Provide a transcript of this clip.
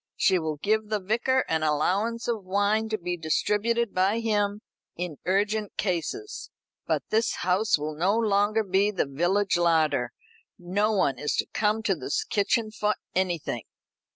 She will give the Vicar an allowance of wine to be distributed by him in urgent cases; but this house will no longer be the village larder no one is to come to this kitchen for anything.